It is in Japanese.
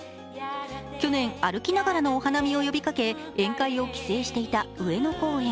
去年、歩きながらのお花見を呼びかけ、宴会を規制していた上野公園。